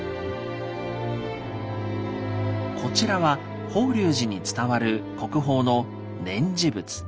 こちらは法隆寺に伝わる国宝の「念持仏」。